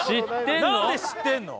知ってるの？